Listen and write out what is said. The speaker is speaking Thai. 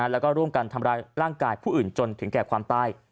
แล้วก็ร่วมกันทำร้ายร่างกายผู้อื่นจนถึงแก่ความตาย